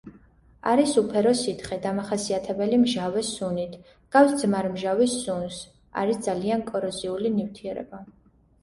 არის უფერო სითხე დამახასიათებელი მჟავე სუნით, ჰგავს ძმარმჟავის სუნს, არის ძალიან კოროზიული ნივთიერება.